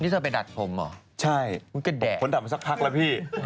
นี่จะไปดัดผมเหรอใช่มันก็แดดผมดัดมาสักพักแล้วพี่